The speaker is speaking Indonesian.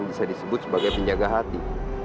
kata kata yang tersebut sebagai pinjaga hati